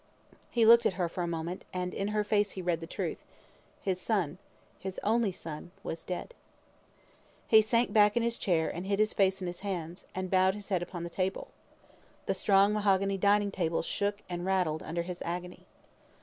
He looked at her for a moment, and in her face he read the truth. His son, his only son, was dead. He sank back in his chair, and hid his face in his hands, and bowed his head upon the table. The strong mahogany dining table shook and rattled under his agony.